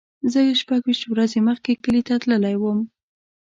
زه شپږ ویشت ورځې مخکې کلی ته تللی وم.